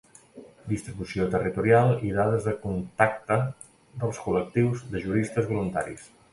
Distribució territorial i dades de contacte dels col·lectius de juristes voluntaris.